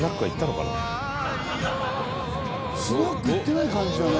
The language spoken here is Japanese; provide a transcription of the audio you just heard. スナック行ってない感じだね。